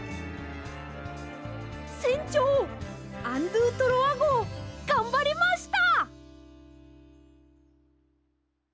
せんちょうアン・ドゥ・トロワごうがんばりました！